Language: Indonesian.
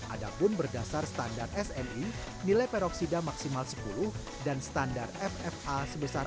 adapun berdasar standar smi nilai peroksida maksimal sepuluh dan standar ffa sebesar tiga